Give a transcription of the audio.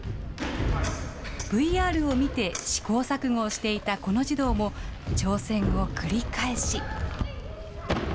ＶＲを見て試行錯誤をしていたこの児童も、挑戦を繰り返し。